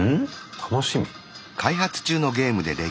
楽しみ。